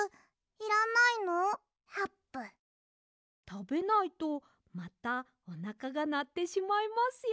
たべないとまたおなかがなってしまいますよ。